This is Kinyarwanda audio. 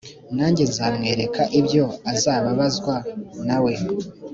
nanjye nzamwereka ibyo azababazwa na we